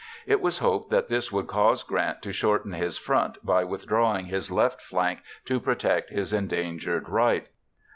It was hoped that this would cause Grant to shorten his front by withdrawing his left flank to protect his endangered right.